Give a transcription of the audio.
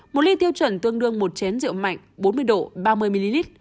một ly tiêu chuẩn tương đương một chén rượu mạnh bốn mươi độ ba mươi ml